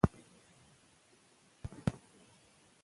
موږ باید د نوي کهول لپاره ښه بېلګه واوسو.